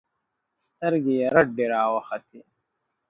سترګې يې رډې راوختې.